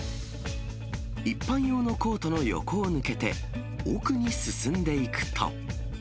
一般用のコートの横を抜けて、奥に進んでいくと。